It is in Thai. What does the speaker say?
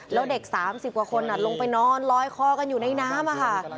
แล้วเด็ก๓๐กว่าคนลงไปนอนลอยคอกันอยู่ในน้ำค่ะ